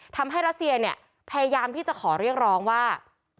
รัสเซียเนี่ยพยายามที่จะขอเรียกร้องว่า